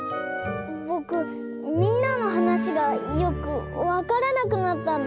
ぼくみんなのはなしがよくわからなくなったんだ。